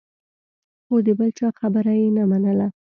خو د بل چا خبره یې نه منله.